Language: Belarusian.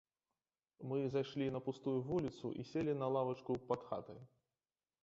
Мы зайшлі на пустую вуліцу і селі на лавачку пад хатай.